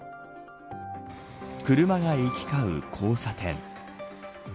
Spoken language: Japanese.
車が行き交う交差点。